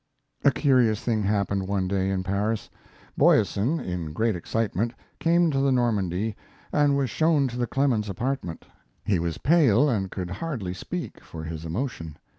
A curious thing happened one day in Paris. Boyesen; in great excitement, came to the Normandy and was shown to the Clemens apartments. He was pale and could hardly speak, for his emotion.